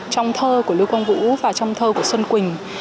trong thơ của lưu quang vũ và trong thơ của xuân quỳnh